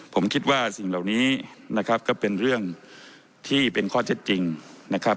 ผมคิดว่าสิ่งเหล่านี้นะครับก็เป็นเรื่องที่เป็นข้อเท็จจริงนะครับ